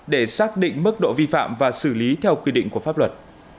để xác định mức độ vi phạm và xử lý theo quy định của pháp luật